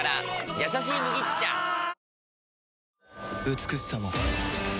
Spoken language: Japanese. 美しさも